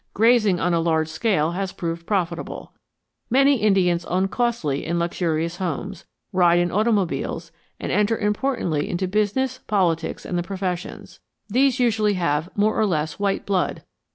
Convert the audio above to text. Grazing on a large scale has proved profitable. Many Indians own costly and luxurious homes, ride in automobiles, and enter importantly into business, politics, and the professions; these usually have more or less white blood.